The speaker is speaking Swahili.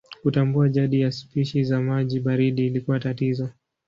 Kutambua jadi ya spishi za maji baridi ilikuwa tatizo.